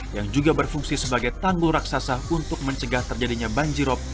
yang juga berfungsi sebagai tanggul raksasa untuk mencegah terjadinya banjirop